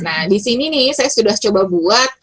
nah disini nih saya sudah coba buat